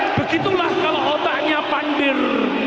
ya begitulah kalau otaknya pandir